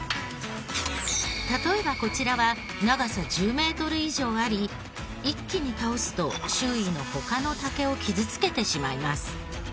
例えばこちらは長さ１０メートル以上あり一気に倒すと周囲の他の竹を傷つけてしまいます。